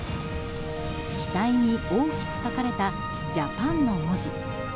機体に大きく書かれた「ＪＡＰＡＮ」の文字。